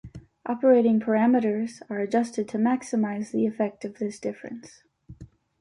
Operating parameters are adjusted to maximize the effect of this difference.